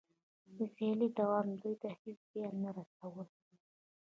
د سیالۍ دوام دوی ته هېڅ زیان نه رسولو